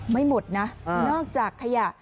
ไม่หมดนะนอกจากขยะ